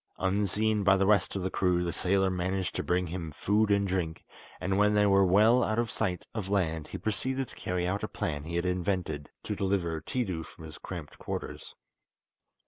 Unseen by the rest of the crew the sailor managed to bring him food and drink, and when they were well out of sight of land he proceeded to carry out a plan he had invented to deliver Tiidu from his cramped quarters.